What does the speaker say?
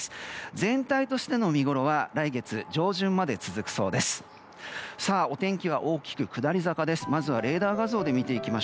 全体としての見ごろは来月上旬まで続くそうです。